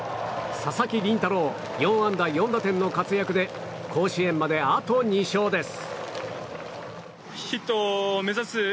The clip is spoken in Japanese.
佐々木麟太郎、４安打４打点の活躍で甲子園まであと２勝です。